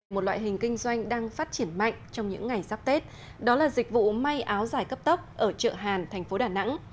một loại hình kinh doanh đang phát triển mạnh trong những ngày sắp tết đó là dịch vụ may áo dài cấp tốc ở chợ hàn thành phố đà nẵng